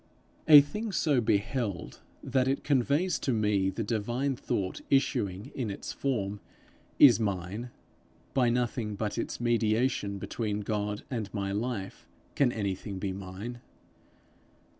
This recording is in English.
A thing so beheld that it conveys to me the divine thought issuing in its form, is mine; by nothing but its mediation between God and my life, can anything be mine.